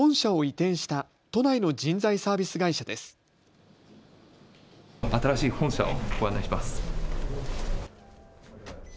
新しい本社をご案内します。